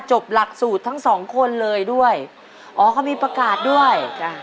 จบหลักสูตรทั้ง๒คนเลยด้วย